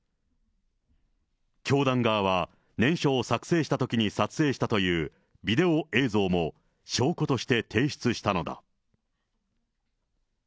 教団側は念書を作成したときに撮影したというビデオ映像も、証拠として提出したのだ。